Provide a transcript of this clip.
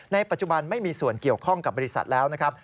ในปัจจุบันไม่มีส่วนเกี่ยวข้องกับบริษัทแล้วนะครับ